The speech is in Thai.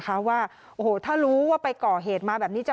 เขามีแบบรุกรีรุกรนหรือบ้างคะ